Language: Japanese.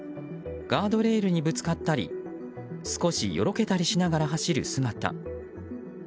ガードレールにぶつかったり少しよろけたりしながら走る姿。